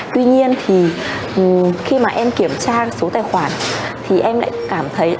tuy nhiên thì khi mà em kiểm tra số tài khoản thì em lại cảm thấy